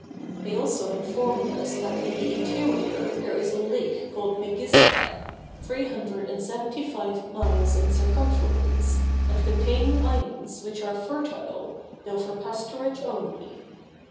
They also informed us that in the interior there is a lake called Megisba, three hundred and seventy five miles in circumference, and containing islands which are fertile, though for pasturage only.